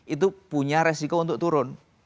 itu punya resiko untuk turun